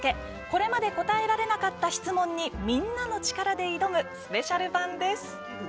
これまで答えられなかった質問にみんなの力で挑むスペシャル版です。